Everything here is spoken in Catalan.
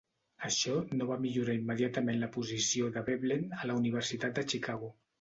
Això no va millorar immediatament la posició de Veblen a la Universitat de Chicago.